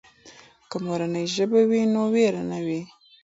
که مورنۍ ژبه وي نو وېره نه وي.